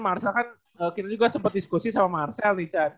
marcel kan kita juga sempet diskusi sama marcel nih